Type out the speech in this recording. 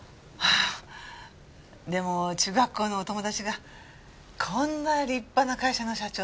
でも中学校のお友達がこんな立派な会社の社長さんだなんて。